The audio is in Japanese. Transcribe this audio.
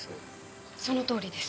そのとおりです。